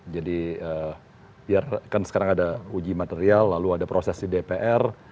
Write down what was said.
jadi biarkan sekarang ada uji material lalu ada proses di dpr